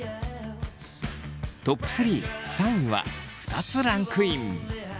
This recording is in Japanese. トップ３３位は２つランクイン。